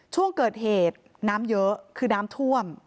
ช่วงเกิดเหตุน้ำเยอะคือน้ำท่วม